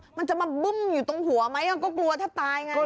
มันจะมาบึ้มอยู่ตรงหัวไหมก็กลัวถ้าตายไง